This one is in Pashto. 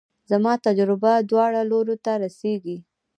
زما تجربه دواړو لورو ته رسېږي.